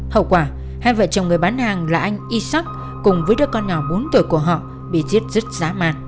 hậu quả hai vợ chồng người bán hàng là anh isaac cùng với đứa con nhỏ bốn tuổi của họ bị giết rất giá mạt